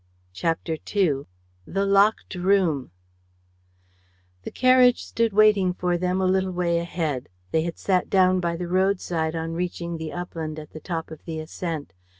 CHAPTER II THE LOCKED ROOM The carriage stood waiting for them a little way ahead. They had sat down by the roadside on reaching the upland at the top of the ascent.